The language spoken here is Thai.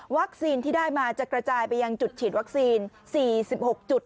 ที่ได้มาจะกระจายไปยังจุดฉีดวัคซีน๔๖จุด